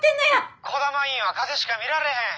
児玉医院は風邪しか診られへん。